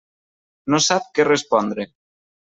No sap què respondre.